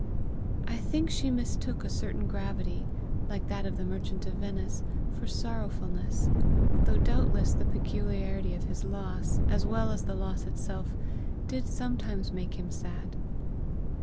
I think she mistook a certain gravity, like that of the Merchant of Venice, for sorrowfulness; though doubtless the peculiarity of his loss, as well as the loss itself, did sometimes make him sad.